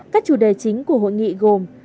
các chủ đề chính của hội nghị gồm